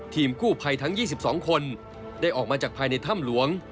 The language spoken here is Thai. ทีมกู้ภัยทั้ง๒๒คนได้ออกมาจากภายในถ้ำหลวง